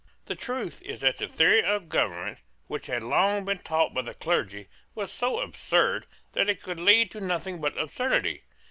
The truth is that the theory of government which had long been taught by the clergy was so absurd that it could lead to nothing but absurdity.